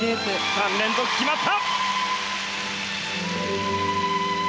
３連続、決まった！